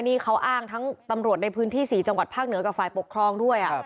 นี่เขาอ้างทั้งตำรวจในพื้นที่๔จังหวัดภาคเหนือกับฝ่ายปกครองด้วย